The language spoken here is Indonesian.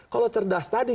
kalau cerdas tadi